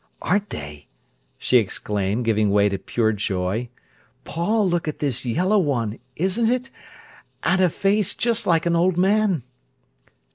"Aren't they!" she exclaimed, giving way to pure joy. "Paul, look at this yellow one, isn't it—and a face just like an old man!"